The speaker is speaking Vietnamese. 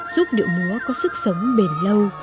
giúp điệu múa có sức sống bền lâu